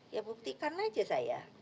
ya buktikan aja saya